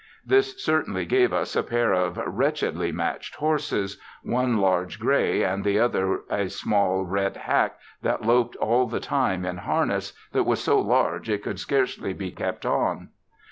This certainly gave us a pair of wretchedly matched horses, one large gray and the other a small red hack that loped all the time in harness that was so large it could scarcely be kept on.